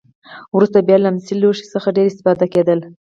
وروسته بیا له مسي لوښو څخه ډېره استفاده کېدله.